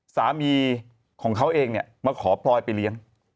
สามีของเขาเองเนี่ยมาขอพลอยไปเลี้ยง